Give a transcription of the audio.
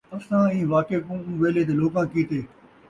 اَساں اِیں واقعے کوں اوں ویلے دے لوکاں کِیتے